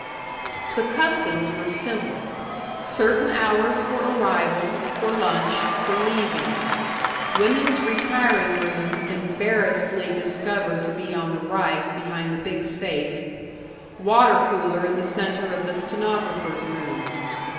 The customs were simple: Certain hours for arrival, for lunch, for leaving; women's retiring room embarrassedly discovered to be on the right behind the big safe; water cooler in the center of the stenographers' room.